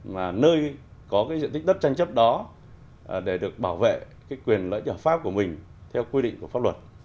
mà nơi có diện tích đất tranh chấp đó để được bảo vệ quyền lợi ích hợp pháp của mình theo quy định của pháp luật